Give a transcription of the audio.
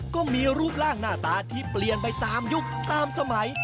ก็มีรูปร่างหน้าตาที่เปลี่ยนไปตามยุคตามสมัย